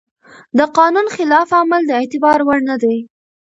د قانون خلاف عمل د اعتبار وړ نه دی.